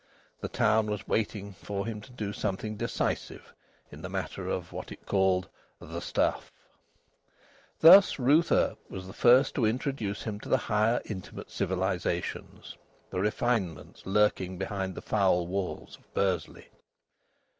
The town was wafting for him to do something decisive in the matter of what it called "the stuff." Thus Ruth Earp was the first to introduce him to the higher intimate civilisations, the refinements lurking behind the foul walls of Bursley.